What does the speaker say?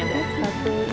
dan ini ada sembako